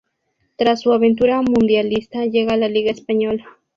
Tras su aventura mundialista, llega a la liga española.